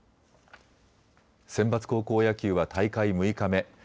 センバツ高校野球は大会６日目。